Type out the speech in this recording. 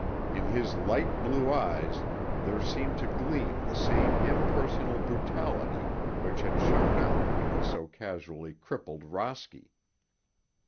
In his light blue eyes there seemed to gleam the same impersonal brutality which had shown out when he so casually crippled Rosky.